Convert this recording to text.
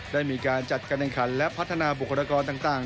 ได้มีการจัดกันการคันและพัฒนาบุกตะกอนต่าง